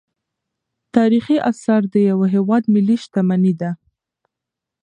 تاریخي اثار د یو هیواد ملي شتمني ده.